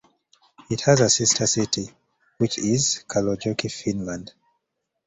It has a sister city, which is Kalajoki, Finland.